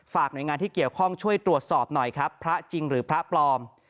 หน่วยงานที่เกี่ยวข้องช่วยตรวจสอบหน่อยครับพระจริงหรือพระปลอม